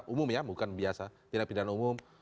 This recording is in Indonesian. umum ya bukan biasa tidak pidana umum